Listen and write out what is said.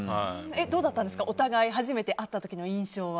どうだったんですか初めて合った時の印象は。